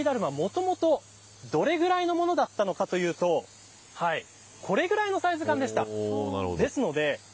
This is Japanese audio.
実はこの雪だるまもともとどれぐらいのものだったのかというとこれぐらいのサイズ感でした。